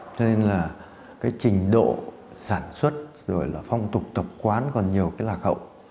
cho nên là trình độ sản xuất phong tục tập quán còn nhiều lạc hậu